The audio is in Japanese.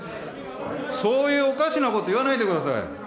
そういうおかしなこと言わないでください。